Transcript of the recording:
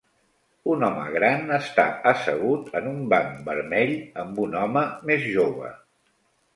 Un home gran està assegut en un banc vermell amb un home més jove.